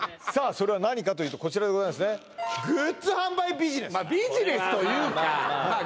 それは何かというとこちらでございますねグッズ販売ビジネスまあビジネスというかまあ